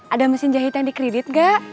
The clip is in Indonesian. ada mesin jahit yang dikredit gak